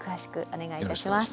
お願いいたします。